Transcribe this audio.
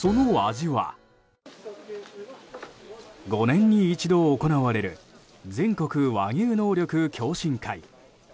５年に一度行われる全国和牛能力共進会。